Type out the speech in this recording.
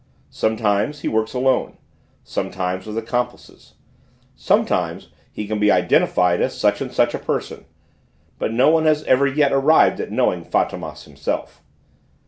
Sometimes he works alone, sometimes with accomplices; sometimes he can be identified as such and such a person, but no one has ever yet arrived at knowing Fantômas himself.